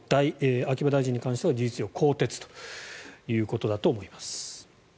秋葉大臣に関しては事実上更迭ということだと思います。